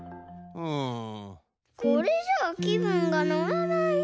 これじゃあきぶんがのらないな。